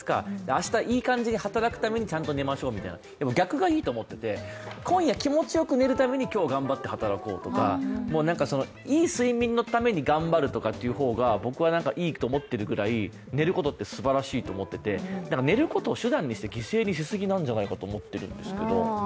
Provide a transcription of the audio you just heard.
明日いい感じに働くために寝ましょうみたいなでも、逆がいいと思っていて、今夜気持ちよく寝るために今日頑張って働こうとか何かいい睡眠のために頑張るとかという方が僕はいいと思っているぐらい、寝ることってすばらしいと思っていて寝ることを手段にして、犠牲にしすぎじゃないかと思っているんですけど。